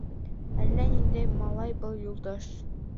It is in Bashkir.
Әллә ниндәй малай был Юлдаш.